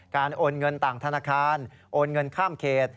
โอนเงินต่างธนาคารโอนเงินข้ามเขต